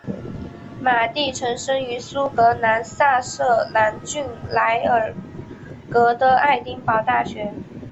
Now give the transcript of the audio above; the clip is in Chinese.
马地臣生于苏格兰萨瑟兰郡莱尔格和爱丁堡大学。